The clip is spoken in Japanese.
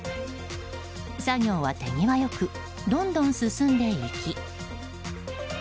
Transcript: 作業は手際よくどんどん進んでいき。